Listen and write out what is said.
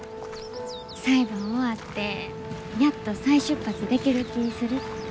裁判終わってやっと再出発できる気ぃするって。